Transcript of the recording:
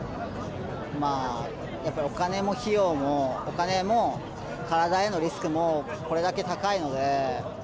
まあ、やっぱりお金も費用も、お金も、体へのリスクもこれだけ高いので。